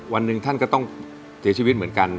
วันหนึ่งท่านก็ต้องเสียชีวิตเหมือนกัน